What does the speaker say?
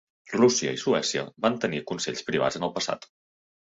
Rússia i Suècia van tenir Consells Privats en el passat.